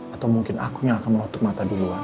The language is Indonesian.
atau mungkin aku yang akan menutup mata duluan